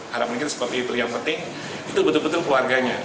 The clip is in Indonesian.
harap mungkin seperti terlihat penting itu betul betul keluarganya